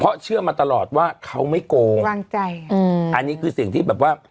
เพราะเชื่อมาตลอดว่าเขาไม่โกงวางใจอืมอันนี้คือสิ่งที่แบบว่า